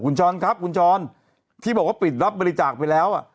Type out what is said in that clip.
คุณช้อนครับคุณช้อนที่บอกว่าปิดรับบริจาคไปแล้วอ่ะ